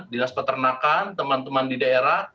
dinas peternakan teman teman di daerah